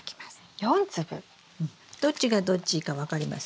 どっちがどっちか分かります？